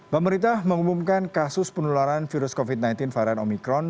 pemerintah mengumumkan kasus penularan virus covid sembilan belas varian omikron